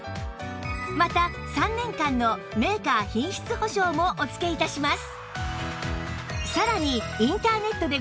また３年間のメーカー品質保証もお付け致します